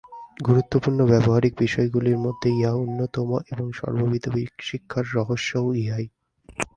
গুরুত্বপূর্ণ ব্যাবহারিক বিষয়গুলির মধ্যে ইহা অন্যতম, এবং সর্ববিধ শিক্ষার রহস্যও ইহাই।